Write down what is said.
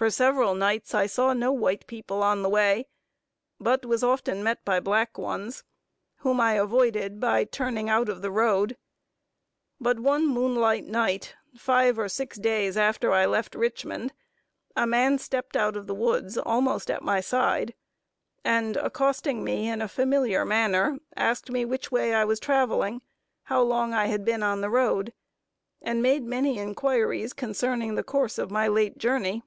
For several nights I saw no white people on the way, but was often met by black ones, whom I avoided by turning out of the road; but one moonlight night, five or six days after I left Richmond, a man stepped out of the woods almost at my side, and accosting me in a familiar manner, asked me which way I was traveling, how long I had been on the road, and made many inquiries concerning the course of my late journey.